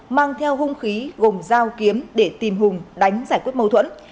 mang theo hung khí gồm dao kiếm để tìm hùng đánh giải quyết mâu thuẫn